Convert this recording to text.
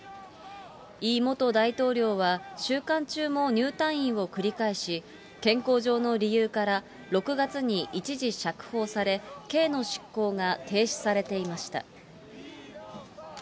イ元大統領は、収監中も入退院を繰り返し、健康上の理由から、６月に一時釈放され、刑の執行が停止されていました。